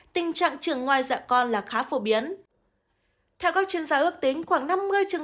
tình trạng trưởng ngoài dạ con là khá phổ biến theo các chuyên gia ước tính khoảng năm mươi trường